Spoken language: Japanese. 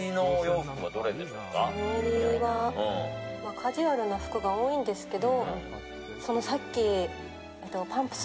カジュアルな服が多いんですけど。